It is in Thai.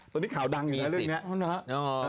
ตอนนี้ข่าวดังอยู่นะเรื่องนี้